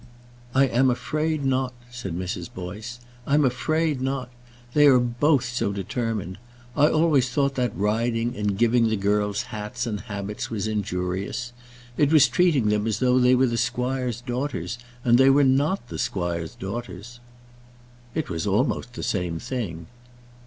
"I am afraid not," said Mrs. Boyce; "I'm afraid not. They are both so determined. I always thought that riding and giving the girls hats and habits was injurious. It was treating them as though they were the squire's daughters, and they were not the squire's daughters." "It was almost the same thing."